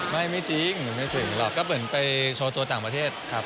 ไม่จริงไม่ถึงหรอกก็เหมือนไปโชว์ตัวต่างประเทศครับ